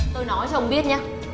tôi nói cho ông biết nhé